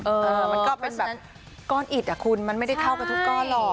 เออมันก็เป็นอีดอ่ะคุณมันไม่ได้เท่ากับทุกก้อนหรอก